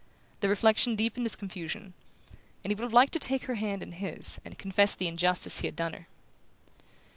The reflection deepened his confusion, and he would have liked to take her hand in his and confess the injustice he had done her.